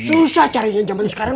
susah carinya zaman sekarang